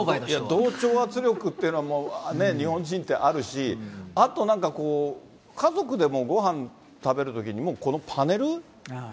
同調圧力っていうのは、日本人ってあるし、あと、なんかこう、家族でもごはん食べるときに、もうこのパネル？